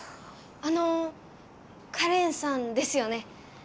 あのカレンさんですよね？